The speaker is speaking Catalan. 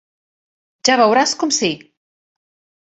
Ja veuràs com sí!